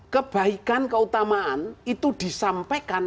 kebaikan keutamaan itu disampaikan